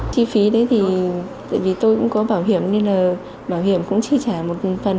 chi phí đấy thì tại vì tôi cũng có bảo hiểm nên là bảo hiểm cũng chi trả một phần